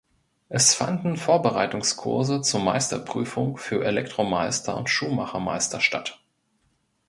Es fanden Vorbereitungskurse zur Meisterprüfung für Elektromeister und Schuhmachermeister statt.